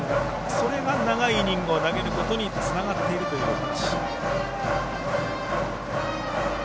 それが長いイニングを投げることにつながっているという話。